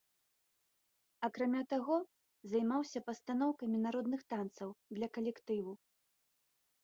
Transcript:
Акрамя таго, займаўся пастаноўкамі народных танцаў для калектыву.